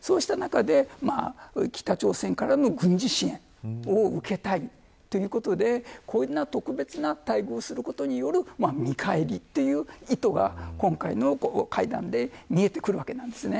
そうした中で北朝鮮からの軍事支援を受けたいということで特別な待遇をすることによる見返りという意図が今回の会談で見えてくるわけなんですね。